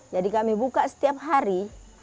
jadi kami buka setiap hari